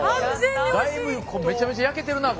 だいぶめちゃめちゃ焼けてるなあ